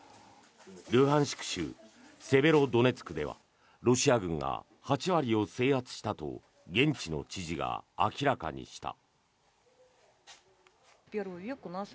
ルハンシク州セベロドネツクではロシア軍が８割を制圧したと現地の知事が明らかにした。